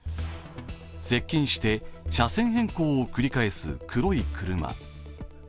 接近して車線変更を繰り返す黒い車。